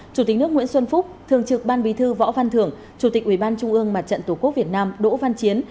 chủ tịch nước nguyễn xuân phúc thường trực ban bí thư võ văn thưởng chủ tịch ủy ban trung ương mặt trận tổ quốc việt nam đỗ văn chiến